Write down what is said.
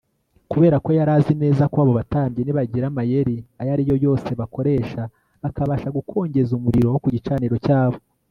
kubera ko yari azi neza ko abo batambyi nibagira amayeri ayo ari yo yose bakoresha bakabasha gukongeza umuriro wo ku gicaniro cyabo